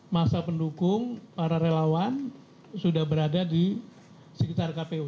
masa pendukung para relawan sudah berada di sekitar kpu